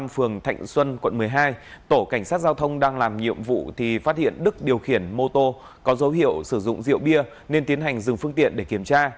phường thạnh xuân quận một mươi hai tổ cảnh sát giao thông đang làm nhiệm vụ thì phát hiện đức điều khiển mô tô có dấu hiệu sử dụng rượu bia nên tiến hành dừng phương tiện để kiểm tra